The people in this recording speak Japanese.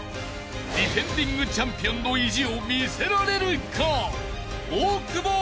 ［ディフェンディングチャンピオンの意地を見せられるか？］